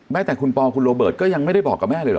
แต่คุณปอคุณโรเบิร์ตก็ยังไม่ได้บอกกับแม่เลยเห